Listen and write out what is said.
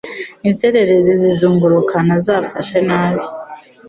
Inzererezi zizunguruka, 'na' zafashe nabi